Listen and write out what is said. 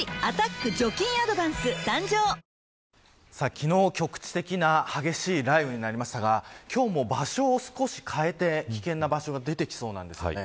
昨日、局地的な激しい雷雨になりましたが今日も場所を少し変えて危険な場所が出てきそうなんです。